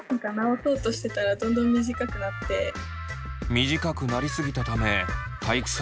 短くなり過ぎたため体育祭